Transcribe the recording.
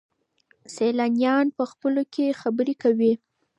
سیلانیان په خپلو کې خبرې کوي.